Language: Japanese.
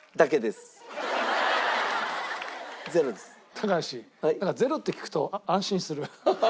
高橋なんか０って聞くと安心する。